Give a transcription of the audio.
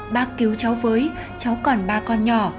bác cứu cháu với cháu còn ba con nhỏ